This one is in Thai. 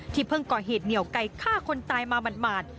เพิ่งก่อเหตุเหนียวไก่ฆ่าคนตายมาหมาด